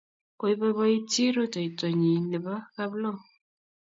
Koipoipoiti rutoitonyun nepo Kaplong'.